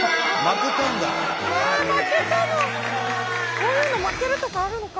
こういうの負けるとかあるのか。